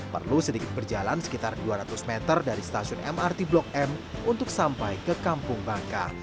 perlu sedikit berjalan sekitar dua ratus meter dari stasiun mrt blok m untuk sampai ke kampung bangka